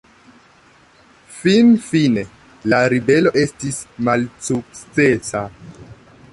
Finfine, la ribelo estis malsukcesa.